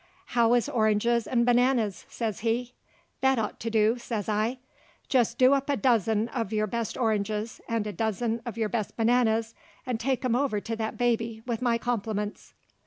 "How is oranges 'nd bananas?" says he. "That ought to do," says I. "Jist do up a dozen uv your best oranges 'nd a dozen uv your best bananas 'nd take 'em over to that baby with my complerments."